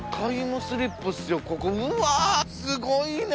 うわすごいね！